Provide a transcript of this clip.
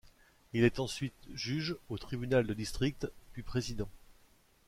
Il est ensuite juge au tribunal de district puis président.